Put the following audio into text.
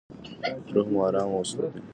روح مو ارام وساتئ.